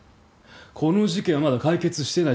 この事件はまだ解決していない。